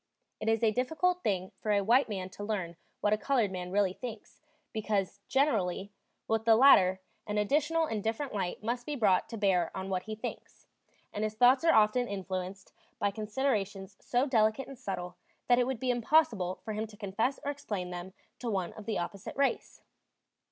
It is a difficult thing for a white man to learn what a colored man really thinks; because, generally, with the latter an additional and different light must be brought to bear on what he thinks; and his thoughts are often influenced by considerations so delicate and subtle that it would be impossible for him to confess or explain them to one of the opposite race.